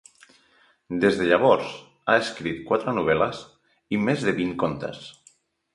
Des de llavors, ha escrit quatre novel·les i més de vint contes.